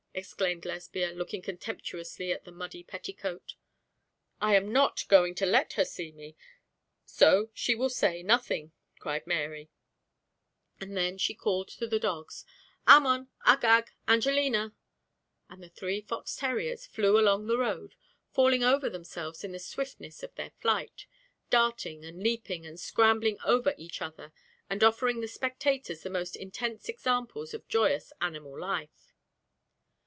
exclaimed Lesbia, looking contemptuously at the muddy petticoat. 'I am not going to let her see me, so she will say nothing,' cried Mary, and then she called to the dogs, 'Ammon, Agag, Angelina;' and the three fox terriers flew along the road, falling over themselves in the swiftness of their flight, darting, and leaping, and scrambling over each other, and offering the spectators the most intense example of joyous animal life.